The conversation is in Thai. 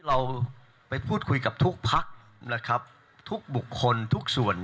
เราไปพูดคุยกับทุกพักนะครับทุกบุคคลทุกส่วน